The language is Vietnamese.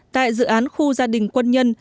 tại dự án khu gia đình quân nhân